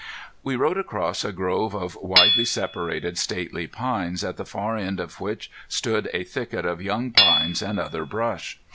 We rode across a grove of widely separated, stately pines, at the far end of which stood a thicket of young pines and other brush.